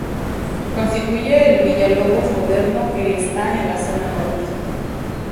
Constituye el Villalobos moderno que está en la zona Norte.